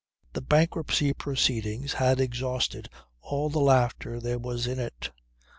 The bankruptcy proceedings had exhausted all the laughter there was in it.